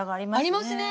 ありますね。